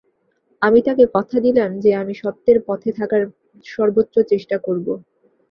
আমি তাকে কথা দিলাম যে আমি সত্যের পথে থাকার সর্বোচ্চ চেষ্টা করব।